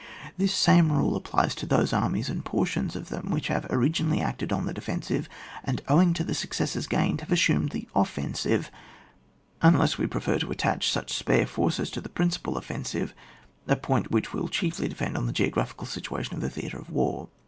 This same rule applies to those armies and portions of them which. have origin ally acted on the defensive, and, owing to the successes gained, have assumed the oflensive, unless we prefer to attach such spare forces to the principal offen sive, a point which will chiefly depend on the geographical situation of the theatre of war.